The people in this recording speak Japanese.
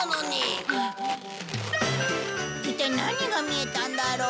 一体何が見えたんだろう？